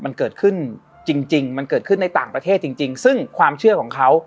มันเกิดขึ้นจริงจริงมันเกิดขึ้นในต่างประเทศจริงจริงซึ่งความเชื่อของเขา